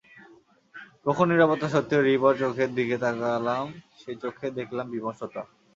প্রখর নিরাপত্তা সত্ত্বেও রিপার চোখের দিকে তাকালাম সেই চোখে দেখলাম বিমর্ষতা।